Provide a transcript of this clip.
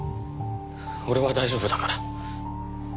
俺は大丈夫だから。